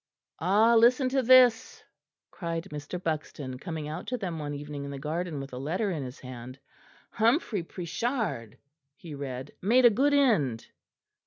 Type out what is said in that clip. "Ah! listen to this," cried Mr. Buxton, coming out to them one evening in the garden with a letter in his hand. "'Humphrey Prichard,'" he read, "'made a good end.